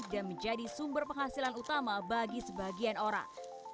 menjadi sumber penghasilan utama bagi sebagian orang